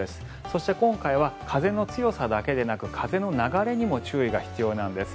そして、今回は風の強さだけでなく風の流れにも注意が必要なんです。